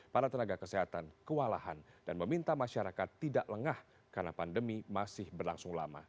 para tenaga kesehatan kewalahan dan meminta masyarakat tidak lengah karena pandemi masih berlangsung lama